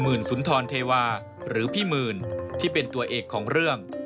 สุนทรเทวาหรือพี่หมื่นที่เป็นตัวเอกของเรื่อง